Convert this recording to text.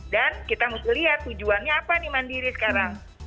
dan kita harus lihat tujuannya apa nih mandiri sekarang